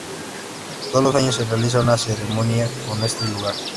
Todos los años se realiza una conmemoración en este lugar.